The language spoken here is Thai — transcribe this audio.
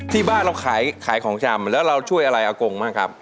ที่บ้านเราขายของชำแล้วเราช่วยอะไรอากงบ้างครับ